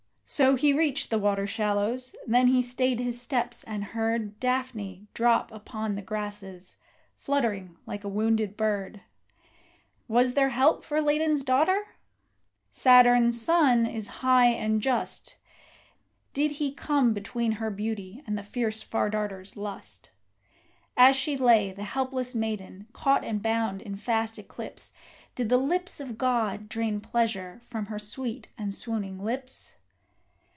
So he reached the water shallows; then he stayed his steps, and heard Daphne drop upon the grasses, fluttering like a wounded bird. Was there help for Ladon's daughter? Saturn's son is high and just: Did he come between her beauty and the fierce Far darter's lust? As she lay, the helpless maiden, caught and bound in fast eclipse, Did the lips of god drain pleasure from her sweet and swooning lips?